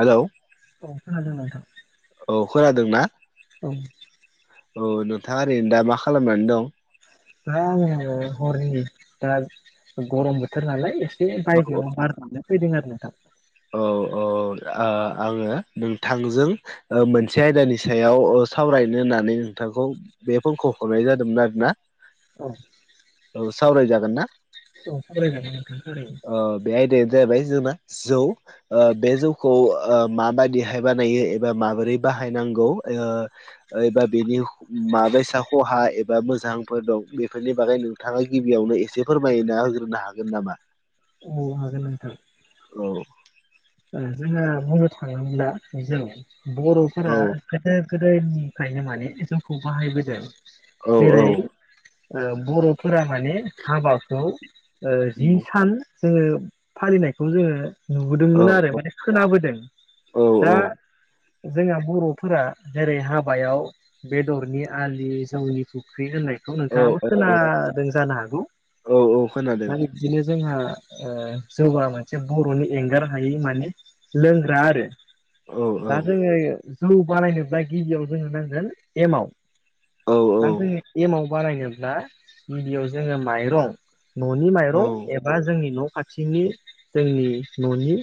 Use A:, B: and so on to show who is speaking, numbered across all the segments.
A: Hello
B: औ खोनादों नोंथां
A: औ खोनादोंना
B: औ
A: औ नोंथाङा ओरैनो दा मा खालामनानै दं
B: दा आङो हरनि दा गरम बोथोर नालाय एसे
A: औ
B: बायजोआव बार जानो फैदों आरो नोंथां
A: औ औ आ आङो नोंथांजों। मोनसे आयदानि सायाव सावरायनो होननानै नोंथांखौ। बे फनखौ हरनाय जादोंमोन आरोना।
B: अ
A: औ सावराय जागोनना।
B: औ सावराय जागोन नोंथां सावराय जागोन।
A: बे आयदायानो जाहैबाय जोंना जौ। बे जौखौ माबायदिहाय बानायो एबा माबोरै बाहायनांगौ ओ एबा बेनि माबायसा खहा एबा मोजांफोर दं बेफोरनि बागै नों ओ थाङा गिबियावनो एसे फोरमायना होग्रोनो हागोन नामा?
B: औ हागोन नोंथां।
A: औ।
B: ओ जोंहा बुंनो थाङोब्ला जेन' बर'फोरा
A: औ
B: गोदो-गोदायनिफ्रायनो माने जोंखौ बाहायबोदों
A: औ औ
B: जेरै बर'फोरा माने हाबाखौ जि सान जोङो फालिनायखौ जोङो नुबोदोंमोन आरो। माने खोनाबोदों दा जोंहा बर'फोरा जेरै हाबायाव बेदरनि आलि जौनि फुख्रि होननाय
A: औ
B: नोंथाङाबो
A: औ
B: खोनादों जानो हागौ।
A: औ औ खोनादों
B: बिदिनो जोंहा जौ मोनसे बर'नि एंगार हायि माने। माने लोंग्रा आरो
A: औ औ
B: दा जोङो। जौ बानायनोब्ला गिबियाव जों नांगोन एमाव।
A: औ औ।
B: दा जों एमाव बानायनोब्ला गिबियाव जोङो माइरं न'नि
A: औ
B: माइरं बा जोंनि न' खाथिनि जोंनि न'निनो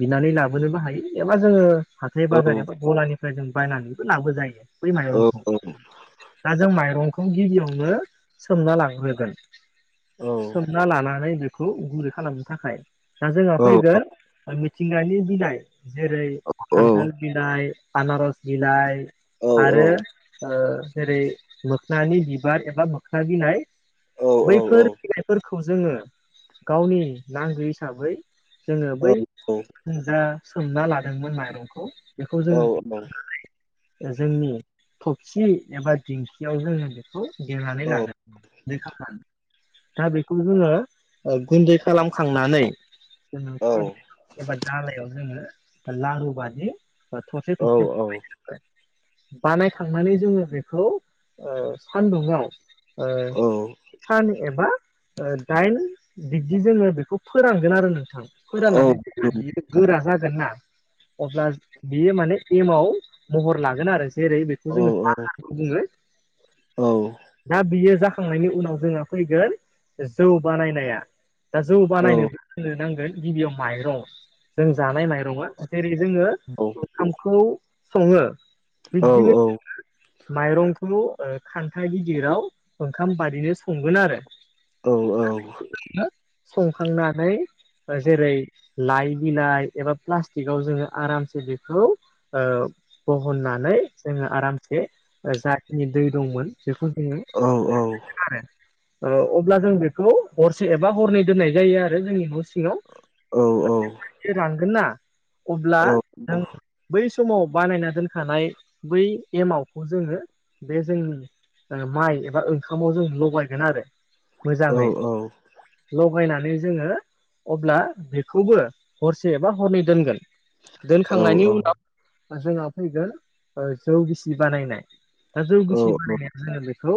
B: बिनानै लाबोनोबो हायो एबा जोङो हाथाय बाजार एबा
A: औ
B: गलानिफ्राय जों बायनानैबो लाबो जायो। बै
A: औ
B: माइरंखौ दा जों माइरंखौ बे गिबियावनो सोमना लांहोगोन। सोमना लानानै बे खौ गुरै खालामनो थाखाय। दा जोंहा फैगोन मिथिंगानि बिलाइ जेरै- खान्थाल बिलाइ, आनारस बिलाइ आरो ओ जेरै मोखोनानि बिबार एबा मोखोना बिलाइ। बैफोर बिलाइफोरखौ जोङो गावनि नांगौ हिसाबै जोङो बै जा सोमना लादोंमोन माइरंखौ। बेखौ जोङो जोंनि थबसि एबा दिंखियाव जोङो बेखौ देनानै लागोन। देखांना दा बेखौ जोङो गुन्दै खालामखांनानै, जोङो एबा दालायाव जोङो लारु बादि थरसे थरसे बानायखांनानै जोङो बेखौ सानदुंआव ओ सानस्नि एबा दाइन बिब्दि जोङो बेखौ फोरानगोन आरो नोंथां। फोराननानै बियो गोरा जागोनना अब्ला बियो माने एमाव महर लागोन आरो जेरै बेखौ जोङो माखारबो बुङो।
A: औ।
B: दा बियो जा खांनायनि उनाव जोंहा फैगोन जौ बानायनाया। दा जौ बानायनो नांगोन गिबियाव माइरं जों जानाय माइरङा जेरै- जोङो
A: औ।
B: ओंखामखौ सङो बिब्दिनो जोङो माइरंखौ खान्था गिदिराव ओंखाम बादिनो संगोन आरो।
A: औ औ
B: [unintelligible] संखांनानै जेरै लाइ बिलाइ एबा प्लास्टिकआव जोङो आरामसे बेखौ ओ बहननानै जोङो आरामसे जाखिनि दै दंमोन बेखौ जोङो
A: औ औ
B: आरो ओ अब्ला जों बेखौ हरसे एबा हरनै दोननाय जायो आरो जोंनि न' सिङाव
A: औ औ
B: बे रानगोनना अब्ला नों बै समाव बानायना दोनखानाय बै एमावखौ जोङो बे जोंनि माइ एबा ओंखामाव जों लगायगोन आरो मोजाङै लगायनानै जोङो अब्ला बेखौबो हरसे एबा हरनै दोनगोन दोनखांनायनि उनाव जोंहा फैगोन जौ गिसि बानायनाय दा जौ गिसि बानायनाया जोङो बेखौ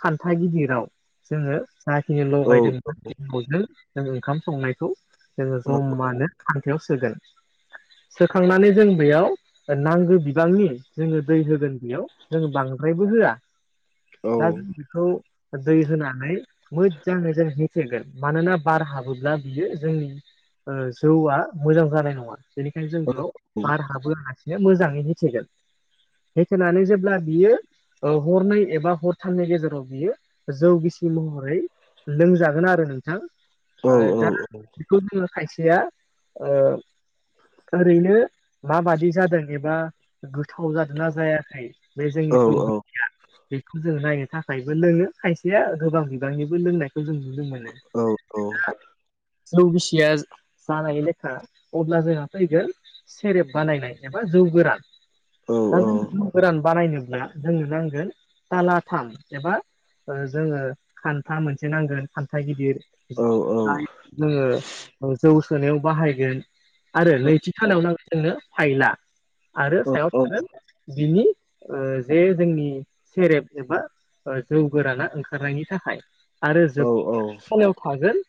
B: खान्था गिदिराव जोङो जाखिनि लगायदोंमोन एमावजों जों ओंखाम संनायखौ जोङो
A: औ
B: जमानो खान्थायाव सोगोन सोखांनानै जों बेयाव नांगौ बिबांनि जोङो दै होगोन बेयाव जों बांद्रायबो होआ
A: औ
B: दा
A: औ
B: जों बेखौ दै होनानै मोजाङै जों होथेगोन मानोना बार हाबोब्ला बियो जोंनि ओ जौआ मोजां जानाय नङा बेनिखायनो
A: औ
B: जों बेयाव बार हाबहोआलासिनो मोजाङै होथेगोन होथेनानै जेब्ला बियो ओ हरनै एबा हरथामनि गेजेराव बियो जौगिसि महरै लोंजागोन आरो नोंथां
A: औ
B: ओ
A: औ
B: दा
A: औ
B: बेखौ जोङो खायसेया ओ ओरैनो माबादि जादों एबा गोथाव जादोंना जायाखै बे जोंनि जौ बेखौ जों नायनो थाखायबो लोङो खायसेया गोबां बिबांनिबो लोंनाय खौ जों नुनो मोनो
A: औ औ
B: जौ गिसिया जानाय लेखा अब्ला जोंहा फैगोन सेरेब बानायनाय एबा जौ गोरान दा जों जौ गोरान बानायनोब्ला जोंनो जानगोन तालाथाम एबा ओ जोङो खान्था मोनसे नांगोन खान्था गिदिर जायखौ जोङो जौ सोनायाव बाहायगोन आरो नैथि सानाव नांगोन जोंनो फाइला आरो सायाव थागोन बिनि ओ जे जोंनि सेरेब एबा जौ गोराना ओंखारनायनि थाखाय आरो जोबथायाव थागोन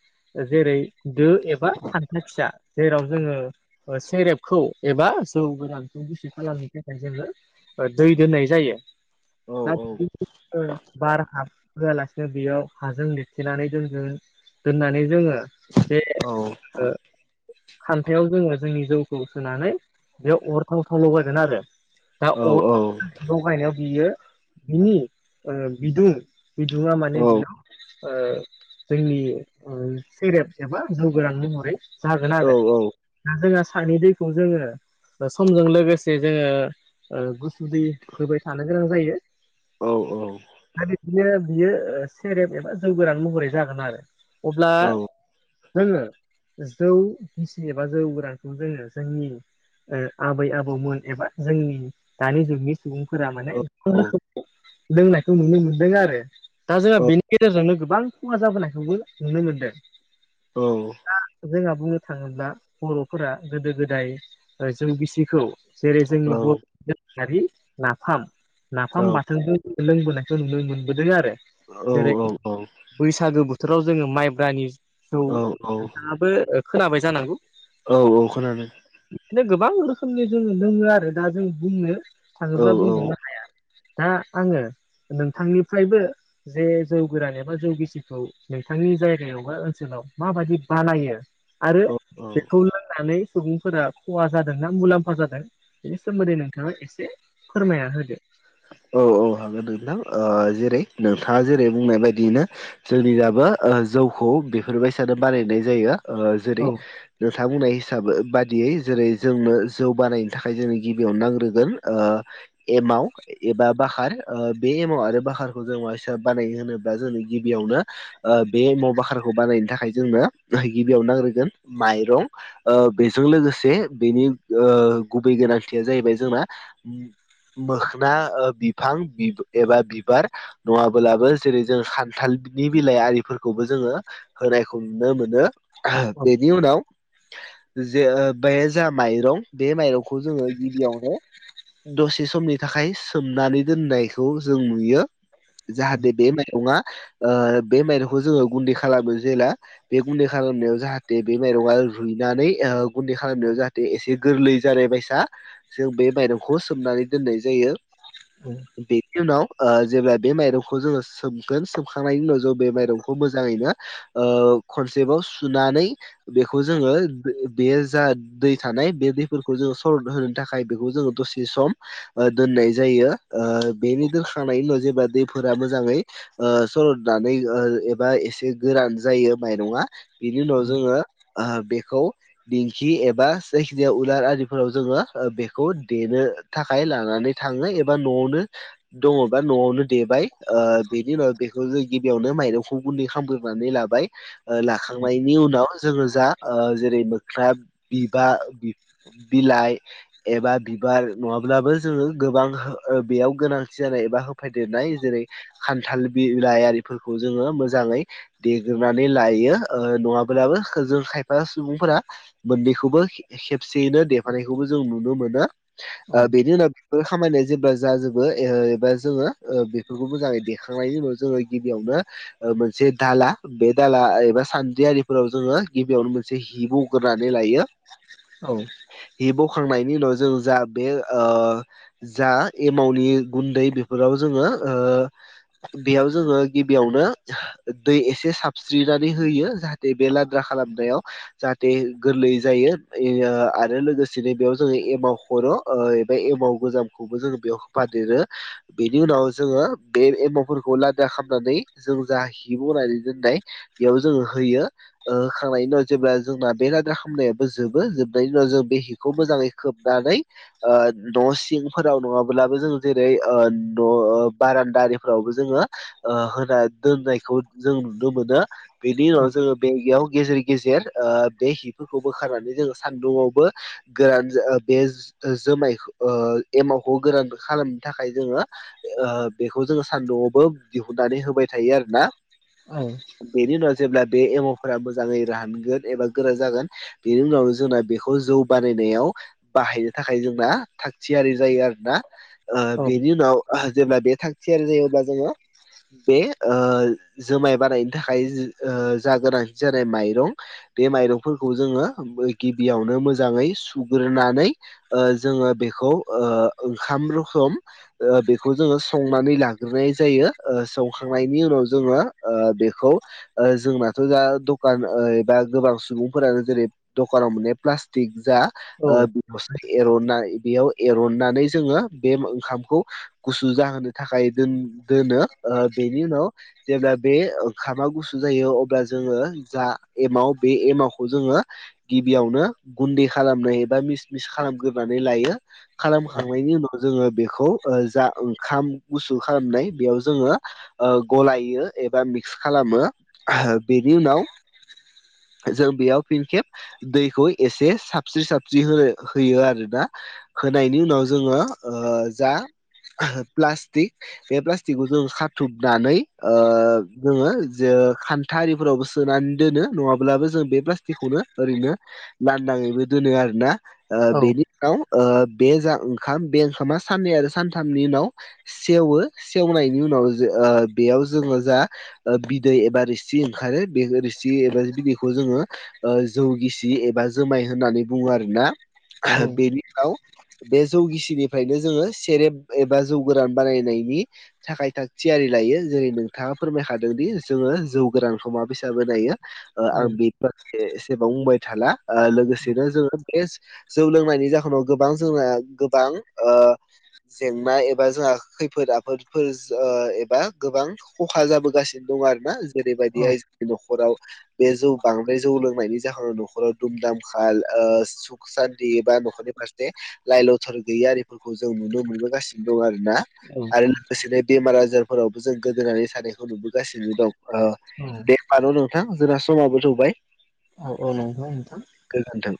B: जेरै दो एबा खान्था फिसा जेराव जोङो ओ सेरेबखौ एबा जौ गोरानखौ रिसिभ खालामनो थाखाय जोङो दै दोननाय जायो दा [unintelligible] ओ बार हाबहोआलासिनो बेयाव हाजों लिरथेनानै दोनगोन दोननानै जोङो बे जोङो खान्थायाव जोङो जोंनि जौखौ सोनानै बेयाव अर धाव धाव लगायगोन आरो दा अर लगायनायाव बियो बिनि बिदुं बिदुङा माने बियाव ओ जोंनि ओं सेरेब एबा जौ गोनां महरै जागोन आरो दा जोंहा सानि दैखौ जोङो समजों लोगोसे जोङो ओ गुसु दै होबाय थानो गोनां जायो दा बे बिदिनो बियो सेरेब एबा जौगोरान महरै जागोन आरो अब्ला
A: औ औ
B: जोङो जौ गिसि एबा जौ गोरानखौ जोङो जोंनि ओ आबै आबौमोन एबा जोंनि दानि जुगनि सुबुंफोरा माने [unintelligible] लोंनायखौ नुनो मोनदों आरो। दा जोंहा बेनि गेजेरजोंनो गोबां खहा जाबोनायखौबो नुनो मोनदों।
A: औ
B: दा जोंहा बुंनो थाङोब्ला बर'फोरा गोदो गोदाय ओ जौगिसिखौ जेरै जोंनि बर'नि दोरोङारि नाफाम नाफाम बाथोनजों लोंबोनायखौ नुनो मोनबोदों आरो।
A: औ
B: जेरै
A: औ औ
B: बैसागो बोथोराव जोङो माइब्रानि जौ नोंथाङाबो खोनाबाय जानांगौ?
A: औ औ खोनादों।
B: बिदिनो गोबां रोखोमनि जोङो लोङो आरो दा जों बुंनो
A: औ
B: थाङोब्ला बुंजोबनो हाया। दा आङो नोंथांनिफ्रायबो जे जौ गोरान एबा जौगिसिखौ नोंथांनि जायगायाव बा ओनसोलाव माबायदि बानायो आरो
A: औ औ
B: बेखौ लोंनानै सुबुंफोरा खहा जादों ना मुलाम्फा जादों बेनि सोमोन्दै नोंथाङा एसे फोरमायना होदो।
A: औ औ हागोन नोंथां जेरै नोंथाङा जेरै बुंनाय बायदियैनो जोंनि दाबो जौखौ बेफोरबायदिानो बानायनाय जायो ओ जेरै
B: औ
A: नोंथां बुंनाय हिसाबै बादियै जेरै जोंनो जौ बानायनो थाखाय जों गिबियावनो नांग्रोगोन ओ एमाव एबा बाखार ओ बे एमाव आरो बाखारखौ जों बानाय होनोब्ला जोंनि गिबियावनो बे एमाव बाख्राखौ बानायनो थाखाय जोंनो गिबियाव नाग्रोगोन माइरं। बेजों लोगोसे बेनि गुबै गोनांथिया जाहैबाय जोंना मोखोन बिफां ओ एबा बिबार नङाब्लाबो जेरै जों खान्थालनि बिलाइ आरिफोरखौबो जोङो होनायखौ नुनो मोनो
B: औ
A: बेनि उनाव जे बे जोंहा माइरं बे माइरंखौ जोङो गिबियावनो दसे समनि थाखाय सोमनानै दोननायखौ जों नुयो
B: औ
A: जाहाथे बे माइरङा ओ बे माइरंखौ जोङो गुन्दै खालामो जेला बे गुन्दै खालामनायाव जाहाथे बे मायरङा ओ रुइनानै गुन्दै खालामनायाव जाहाथे दे एसे गोरलै जानाय बायसा जों बे माइरंखौ सोमनानै दोननाय जायो।
B: औ
A: बेनि उनाव जेब्ला बे माइरंखौ जोङो सोमगोन सोमखांनायनि उनाव जों बे माइरंखौ मोजाङैनो ओ खनसेबाव सुनानै बेखौ जोङो बे जा दै थानाय बे दैफोरखौ जोङो सरद होनो थाखाय बेखौ जोङो दसे सम दोननाय जायो ओ बेनि दोनखानाय उनाव जेब्ला दै फोर मोजाङै सरदनानै एबा एसे गोरान जायो माइरङा। बेनि उनाव जोङो बेखौ दिंखि एबा जायखिनिया उलार आरिफोराव जोङो बेखौ देनो थाखाय हाय लानानै थाङो एबा न'आवनो दङबा न'आवनो देबाय ओ बेनि उनाव बेखौ जों गिबियावनो माइरंखौ गुनदै खालामगोरनानै लाबाय। ओ लाखांनायनि उनाव जोङो जा ओ जेरै मोखना बिबार बिलाइ एबा बिबार नङाबा अब्लाबो जोङो गोबां बेयाव गोनांथि जानाय एबा होफादेरनाय जेरै खान्थाल बिलाइारिफोरखौ जोङो मोजाङै देग्रोननानै लायो ओ नङाब्लाबो जों खायफा सुबुंफोरा मोननैखौबो खेबसेयैनो देफानायखौबो जों नुनो मोनो
B: औ
A: बेनि उनाव बेफोर खामानिया जेब्ला जाजोबो एबा जोङो बेफोरखौ मोजाङै देखांनायनि उनाव जोङो गिबियावनो मोनसे दाला बे दाला एबा सान्द्रि आरिफोराव जोङो गिबियावनो मोनसे हि बग्रोनानै लायो।
B: औ।
A: हि बखांनायनि उनाव जों जा बे जा एमावनि गुन्दै बेफोराव जोङो ओ बेयाव जोङो गिबियावनो दै एसे साबस्रिनानै होयो। जाहाथे बे लाद्रा खालामनायाव। जाहाथे गोरलै जायो आरो लोगोसेनो बेयाव जोङो एमाव खर एमाव गोजामखौबो जोङो बेयाव होफादेरो। बेनि उनाव जोङो बे एमावफोरखौ लाद्रा खालामामनानै जों जा हि बनानै दोननाय बेयाव णंणंचंच्जोङो होयो। होखांनायनि उनाव जेब्ला जोंना बे लाद्रा खामनायाबो जोबो। जोबनायनि उनाव जों बे हिखौ मोजाङै खोबनानै न' सिंफोराव नङाब्लाबो जों जेरै न' बारान्दारिफोरावबो जोङो होना दोननायखौ जों नुनो मोनो। बेनि उनाव जोङो बेयाव गेजेर गेजेर बे हिफोरखौ बोखारनानै जोङो सानदुंङावबो गोरान बे जोमाइ एमावखौ गोरान खालामनो थाखाय जोङो बेखौ जोङो सानदुंआवबो दिहुननानै होबाय थायो आरोना?
B: औ।
A: बेनि उनाव जेब्ला बे एम अ फोर मोजाङै रानगोन एबा गोरा जागोन। बेनि उनावनो जोंना बेखौ जौ बानायनायाव बाहायनो थाखाय जोंना थागथियारि जायो आरोना। बेनि उनाव जेब्ला बे थागथियारि जायोब्ला जोङो बे जुमाइ बानायनो थाखाय जा गोनांथि जानाय माइरं बे माइरंफोरखौ जोङो गिबियावनो मोजाङै सुग्रोनानै जोङो बेखौ ओंखाम रोखोम बेखौ जोङो संनानै लाग्रोनाय जायो। संखांनायनि उनाव जोङो बेखौ जोंनाथ दा दखान एबा गोबां सुबुंफोरानो जेरै- दखानाव माने प्लास्टिक जा
B: औ
A: एरनानै बेयाव एरननानै जोङो बे ओंखामखौ गुसु जाहोनो थाखाय दोनो। बेनि उनाव जेब्ला बे ओंखामा गुसु जायो। अब्ला जोङो जा एमाव बे एमावखौ जोङो गिबियावनो गुन्दै खालामनाय एबा मिस मिस खालामग्रोनानै लायो। खालामखांनायनि उनाव जोङो बेखौ जा ओंखाम गुसु खालामनाय। बेयाव जोङो गलायो एबा मिक्स खालामो। बेनि उनाव जों बेयाव फिनखेब दैखौ एसे साबस्रि साबस्रि होनो होयो आरोना। होनायनि उनाव जोङो जा प्लास्टिक बे प्लास्टिकखौ जो खाथबनानै जोङो ज थारिफोरावबो सोनानै दोनो। नङाबा अब्लाबो जों बे प्लास्टिकखौनो ओरैनो लान्दाङैबो दोनो आरोना।
B: औ
A: बेनि बे जा ओंखाम बे ओंखामा साननै आरो सानथामनि उनाव सेवो सेवनायनि उनाव ज बेयाव जोङो जा बिदै एबा रोसि ओंखारो। बे रोसि बिदै बे जोङो जौगिसि एबा जोमाय होननानै बुङो आरोना। बेबि उनाव बे जौ गिसिनिफ्रायनो जोङो सेरेब एबा जौ गोरान बानायनायनि थाखाय थाक थियारि लायो जेरै नोंथाङा फोरमायखादोंदि जोङो जौ गोरानखौ माबैसा बानायो। आं बेनि ब एसेबां बुंबाय थाला लोगोसेनो जोङो बे जौ लोंनायनि जाहोनाव गोबां जोंना गोबां जेंना एबा जोंहा खैफोद आफोदफोर एबा गोबां खहा जाबोगासिनो दं आरो ना जेरैबायदिहाय जोंनि नखराव बे जौ बांद्राय जौ लोंनायनि जाहोनाव नखराव दुम-दामखाल ओ हुख सानथि बा नखरनि फारसे लाइ-लथर गैयि आरिफोरखौ जों नुनो मोनबोगासिनो दं आरो ना।
B: औ
A: आरो लोगोसेनो बेमार आजारफोरावबो जों गोदोनानै थानायानायखौ नुबोगासिनो दं। ओ
B: औ
A: दे होमबा न' नोंथां जोंना समाबो थौबाय।
B: औ औ नंगौ नोंथां।
A: गोजोन्थों।